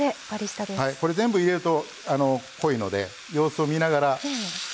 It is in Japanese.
これ全部入れると濃いので様子を見ながら。